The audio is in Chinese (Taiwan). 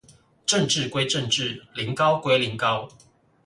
政治歸政治，苓膏龜苓膏